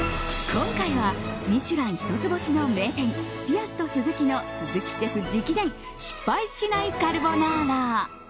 今回は「ミシュラン」一つ星の名店ピアットスズキの鈴木シェフ直伝失敗しないカルボナーラ。